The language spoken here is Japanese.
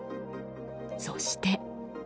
そして。